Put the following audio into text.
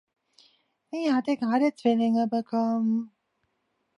Sie hatte gerade Zwillinge bekommen.